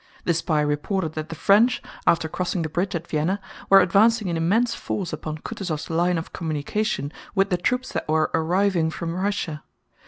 The spy reported that the French, after crossing the bridge at Vienna, were advancing in immense force upon Kutúzov's line of communication with the troops that were arriving from Russia.